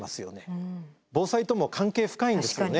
防災とも関係深いんですよね。